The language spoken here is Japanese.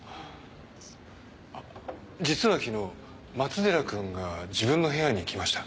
実は昨日松寺君が自分の部屋に来ました。